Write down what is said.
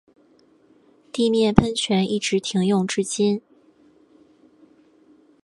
地面喷泉一直停用至今。